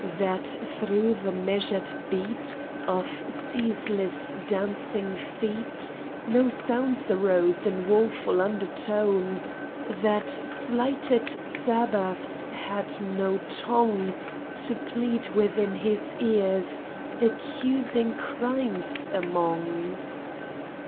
That through the measured beat Of ceaseless dancing feet No sounds arose in woful undertone ? That slighted Sabbaths had no tongue To plead within His ears, accusing crimes among